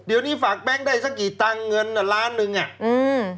เดี๋ยวนี้ฝากแบงค์ได้สักกี่ตังค์เงินน่ะล้านหนึ่งอ่ะอืม